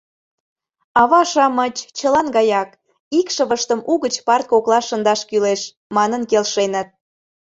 Ава-шамыч, чылан гаяк, икшывыштым угыч парт коклаш шындаш кӱлеш, манын келшеныт.